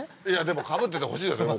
でもかぶっててほしいですよ